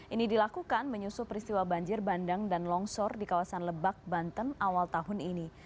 ini dilakukan menyusul peristiwa banjir bandang dan longsor di kawasan lebak banten awal tahun ini